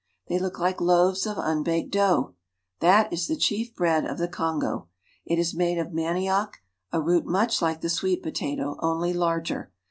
They look like loaves of unbaked dough. Tha 3 the chief bread of the Kongo. It is made of manioc root much like the sweet potato, only larger.